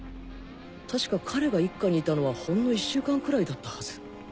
確か彼が一課にいたのはほんの１週間くらいだったはず